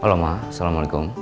halo ma assalamualaikum